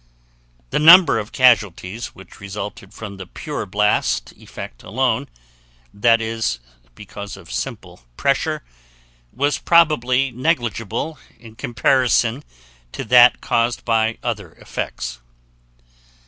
The number of casualties which resulted from the pure blast effect alone (i.e., because of simple pressure) was probably negligible in comparison to that caused by other effects.